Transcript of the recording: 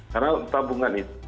karena tabungan itu